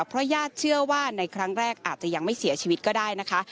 เพราะญาติเชื่อว่าในครั้งแรกอาจจะยังไม่เสียชีวิตก็ได้นะคะ